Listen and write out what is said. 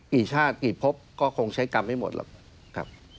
กี่ชาติกี่ภพก็คงใช้กรรมไม่หมดหรอก